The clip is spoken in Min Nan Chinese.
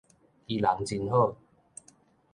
伊人真好